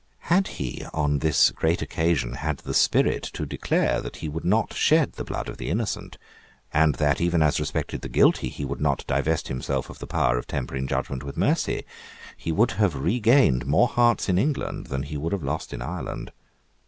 Had he, on this great occasion, had the spirit to declare that he would not shed the blood of the innocent, and that, even as respected the guilty, he would not divest himself of the power of tempering judgment with mercy, he would have regained more hearts in England than he would have lost in Ireland.